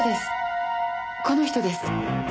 この人です。